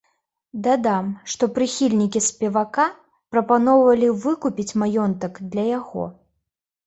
Дадам, што прыхільнікі спевака прапаноўвалі выкупіць маёнтак для яго.